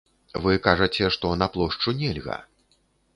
Вы кажаце, што на плошчу нельга.